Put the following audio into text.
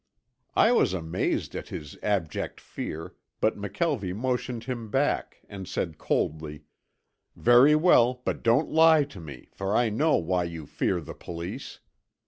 I was amazed at his abject fear but McKelvie motioned him back, and said coldly: "Very well, but don't lie to me, for I know why you fear the police."